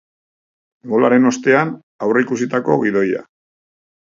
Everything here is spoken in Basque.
Golaren ostean, aurreikusitako gidoia.